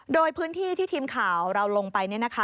โดยพื้นที่ที่ทีมข่าวเราลงไปเนี่ยนะคะ